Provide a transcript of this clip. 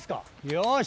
よし。